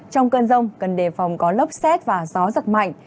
trong cơn rông cần đề phòng có lốc xét và gió giật mạnh